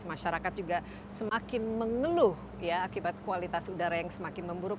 masyarakat juga semakin mengeluh ya akibat kualitas udara yang semakin memburuk